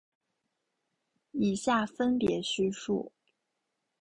以下分别叙述。